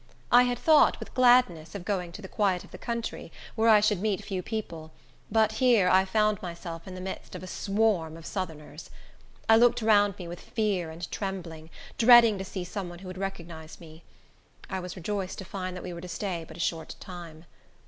I had thought, with gladness, of going to the quiet of the country, where I should meet few people, but here I found myself in the midst of a swarm of Southerners. I looked round me with fear and trembling, dreading to see some one who would recognize me. I was rejoiced to find that we were to stay but a short time.